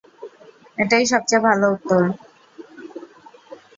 এটাই সবচেয়ে ভালো উত্তর।